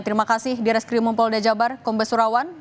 terima kasih di barskrim mumpolda jabar kumbes surawan